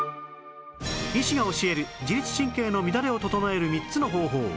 医師が教える自律神経の乱れを整える３つの方法